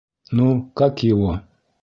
Ну, как его?